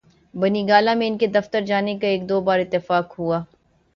بنی گالہ میں ان کے دفتر جانے کا ایک دو بار اتفاق ہوا۔